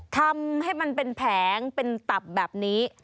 ทำให้มันเป็นแผงเป็นตับแบบนี้